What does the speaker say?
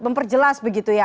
untuk memperjelas begitu ya